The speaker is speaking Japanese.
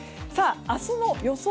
明日の予想